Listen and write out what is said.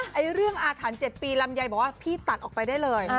ให้เรื่องอารถันต์๗ปีลำไยบ่วนที่ตัดออกไปได้เลย